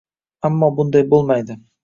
Ammo bunday bo`lmaydi